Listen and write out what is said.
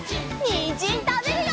にんじんたべるよ！